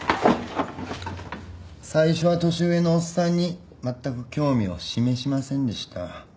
最初は年上のおっさんにまったく興味を示しませんでした。